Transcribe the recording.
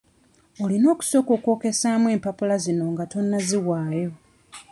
Olina okusooka okwokesaamu empapula zino nga tonnaziwaayo.